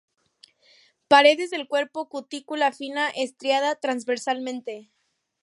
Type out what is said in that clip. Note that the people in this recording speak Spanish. Paredes del cuerpo: cutícula fina, estriada transversalmente.